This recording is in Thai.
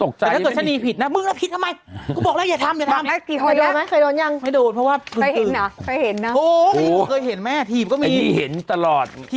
เกร็ดเกร็ด